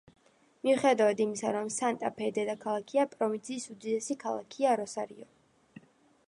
მიუხედავად იმისა, რომ სანტა-ფე დედაქალაქია, პროვინციის უდიდესი ქალაქია როსარიო.